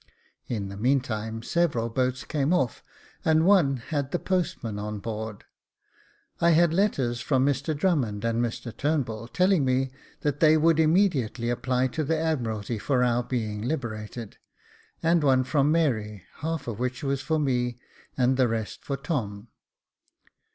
In the meantime, several boats came off, and one had the postman on board. I had letters from Mr Drummond and Mr Turnbull, telling me that they would im.medi ately apply to the Admiralty for our being liberated, and one from Mary, half of which was for me, and the rest to Tom.